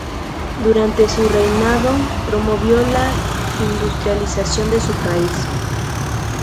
Durante su reinado, promovió la industrialización de su país.